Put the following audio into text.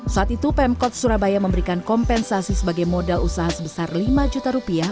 saat itu pemkot surabaya memberikan kompensasi sebagai modal usaha sebesar lima juta rupiah